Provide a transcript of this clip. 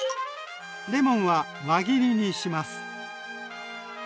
レモンは輪切りにします。